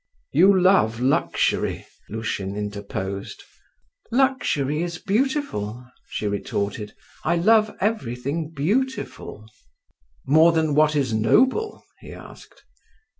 "You love luxury?" Lushin interposed. "Luxury is beautiful," she retorted; "I love everything beautiful." "More than what is noble?" he asked.